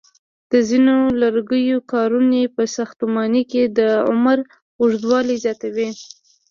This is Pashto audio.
د ځینو لرګیو کارونې په ساختمانونو کې د عمر اوږدوالی زیاتوي.